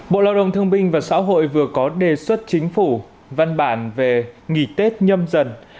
bộ lao động thương binh và xã hội vừa có đề xuất chính phủ văn bản về nghỉ tết nhâm dần